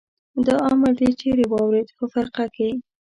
دا امر دې چېرې واورېد؟ په فرقه کې.